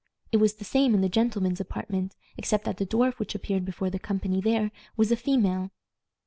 It was the same in the gentlemen's apartment, except that the dwarf which appeared before the company there was a female.